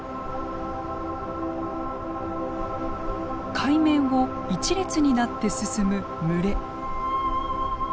海面を一列になって進む群れ。